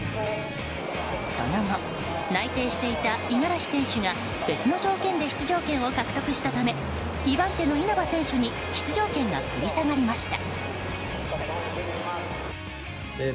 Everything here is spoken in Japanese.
その後、内定していた五十嵐選手が別の条件で出場権を獲得したため２番手の稲葉選手に出場権が繰り下がりました。